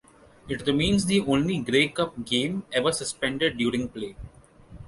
It remains the only Grey Cup game ever suspended during play.